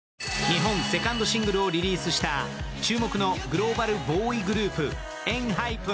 日本セカンドシングルをリリースした注目のグローバルボーイズグループＥＮＨＹＰＥＮ。